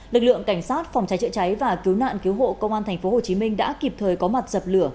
lực lượng cảnh sát phòng cháy chữa cháy và cứu nạn cứu hộ công an tp hcm đã kịp thời có mặt dập lửa